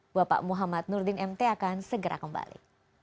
bapak muhammad nurdin mt akan segera kembali